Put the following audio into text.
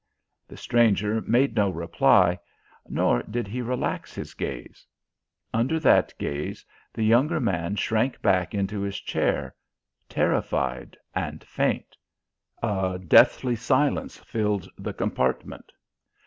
The stranger made no reply, nor did he relax his gaze. Under that gaze the younger man shrank back into his chair, terrified and faint. A deathly silence filled the compartment....